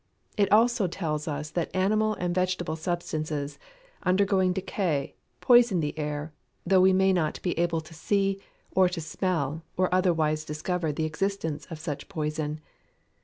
It also tells us that animal and vegetable substances, undergoing decay, poison the air, though we may not be able to see, or to smell, or otherwise discover the existence of such poison.